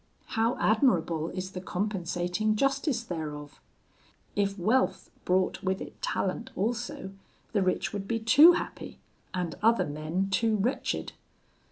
How admirable is the compensating justice thereof! If wealth brought with it talent also, the rich would be too happy, and other men too wretched.